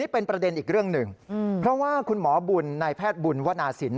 เพราะว่าคุณหมอบุญในแพทย์บุญวนาศินย์